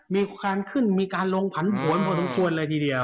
มีขึ้นออกรุมฝันผลพอสมควรเลยทีเดียว